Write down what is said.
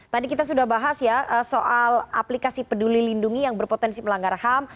tadi kita sudah bahas ya soal aplikasi peduli lindungi yang berpotensi melanggar ham